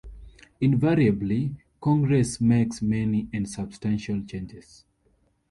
Invariably, Congress makes many and substantial changes.